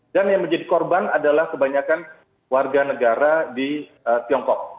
dan yang menjadi korban adalah kebanyakan warga negara di tiongkok